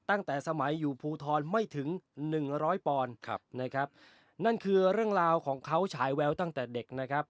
ตั้งแต่สมัยอยู่ภูทรไม่ถึงหนึ่งร้อยปอนด์ครับนะครับนั่นคือเรื่องราวของเขาฉายแววตั้งแต่เด็กนะครับ